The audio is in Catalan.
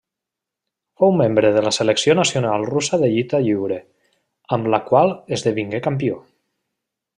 Fou membre de la selecció nacional russa de lluita lliure, amb la qual esdevingué campió.